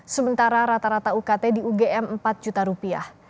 sementara rata rata ukt di ugm empat juta rupiah